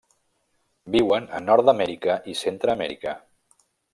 Viuen a Nord-amèrica i Centreamèrica.